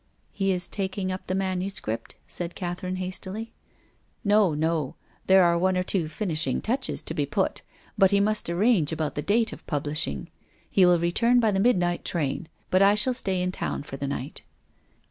" He is taking up the manuscript?" said Catherine hastily. " No, no. There arc one or two finishing touches to be put. But he must arrange about the date of publishing. He will return by the midnight train, but I shall stay in town for the night."